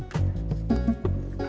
seneng banget nis ya